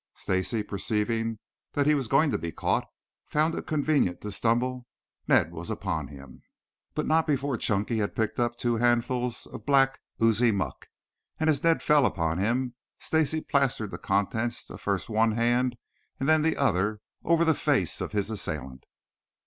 Stacy, perceiving that he was going to be caught, found it convenient to stumble. Ned was upon him, but not before Chunky had picked up two handfuls of black, oozy muck, and as Ned fell upon him, Stacy plastered the contents of first one hand, then the other, over the face of his assailant.